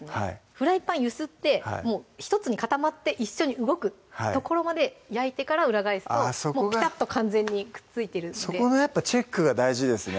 フライパン揺すってもう１つに固まって一緒に動くところまで焼いてから裏返すともうピタッと完全にくっついてるんでそこのやっぱチェックが大事ですね